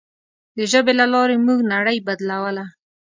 د ژبې له لارې موږ نړۍ بدلوله.